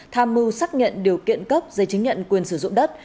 tham mưu xác nhận điều kiện cấp giấy chứng nhận quyền sử dụng đất